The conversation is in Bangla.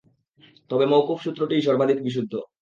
তবে মওফূক সূত্রটিই সর্বাধিক বিশুদ্ধ।